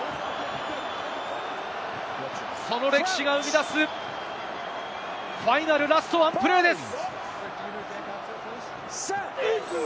その歴史が生み出すファイナル、ラストワンプレーです。